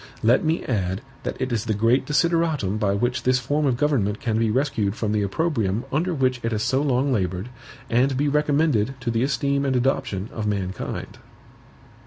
Let me add that it is the great desideratum by which this form of government can be rescued from the opprobrium under which it has so long labored, and be recommended to the esteem and adoption of mankind.